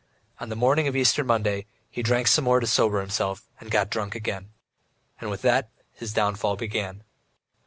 On the morning of Easter Monday, he drank some more to sober himself, and got drunk again. And with that his downfall began.